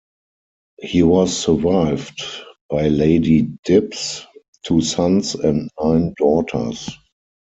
He was survived by Lady Dibbs, two sons and nine daughters.